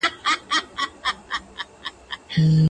• خو قانون د سلطنت دی نه بدلیږي,